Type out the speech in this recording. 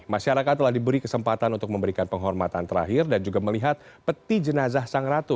masyarakat telah diberi kesempatan untuk memberikan penghormatan terakhir dan juga melihat peti jenazah sang ratu